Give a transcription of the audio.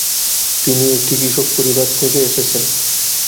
তিনি একটি কৃষক পরিবার থেকে এসেছেন।